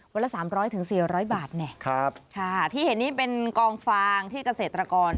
วันละ๓๐๐๔๐๐บาทเนี่ยค่ะที่เห็นนี่เป็นกองฟางที่เกษตรกร